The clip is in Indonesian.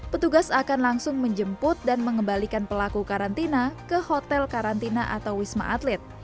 petugas akan langsung menjemput dan mengembalikan pelaku karantina ke hotel karantina atau wisma atlet